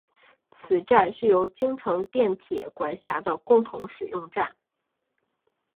此站是由京成电铁管辖的共同使用站。